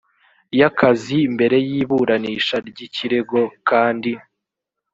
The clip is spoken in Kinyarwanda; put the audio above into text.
y akazi mbere y iburanisha ry ikirego kandi